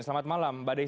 selamat malam mbak desi